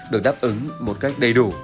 được đáp ứng một cách đầy đủ